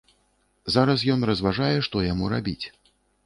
Зараз ён разважае, што яму рабіць.